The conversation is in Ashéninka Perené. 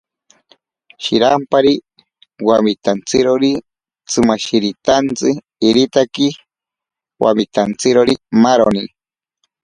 Shirampari wamitantsirori tsimashiritantsi, iritaki wamitantsirori maaroni.